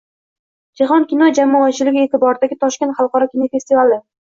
Jahon kino jamoatchiligi e’tiboridagi Toshkent xalqaro kinofestivali